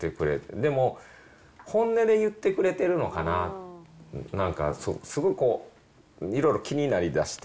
でも、本音で言ってくれてるのかなって、なんか、すごいこう、いろいろ気になりだして。